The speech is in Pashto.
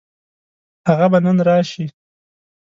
هغه به نن راشي.